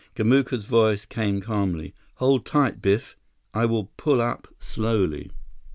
Kamuka's voice came calmly. "Hold tight, Biff. I will pull up slowly."